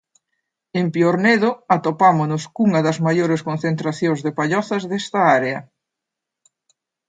En Piornedo atopámonos cunha das maiores concentracións de pallozas desta área.